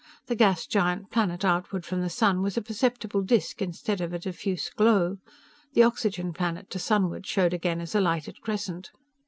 The gas giant planet outward from the sun was a perceptible disk instead of a diffuse glow. The oxygen planet to sunward showed again as a lighted crescent.